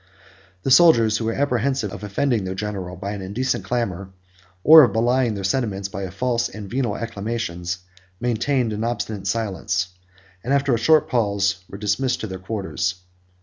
The soldiers, who were apprehensive of offending their general by an indecent clamor, or of belying their sentiments by false and venal acclamations, maintained an obstinate silence; and after a short pause, were dismissed to their quarters.